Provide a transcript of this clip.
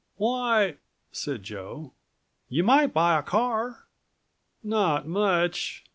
"Why," said Joe, "you might buy a car." "Not much.